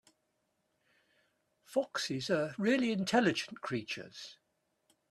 Foxes are really intelligent creatures.